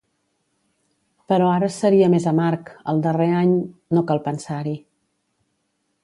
Però ara seria més amarg, al darrer any… No cal pensar-hi.